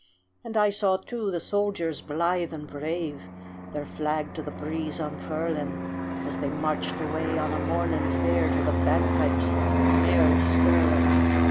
And I saw, too, the soldiers blithe and brave Their flag to the breeze unfurling, As they marched away on a morning fair To the bagpipes' merry skirling.